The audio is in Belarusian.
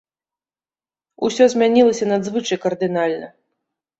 Усё змянілася надзвычай кардынальна.